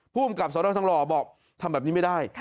ภูมิกับสนทองหล่อบอกทำแบบนี้ไม่ได้